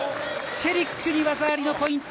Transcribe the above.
チェリックに技ありのポイント。